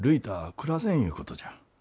暮らせんいうことじゃ。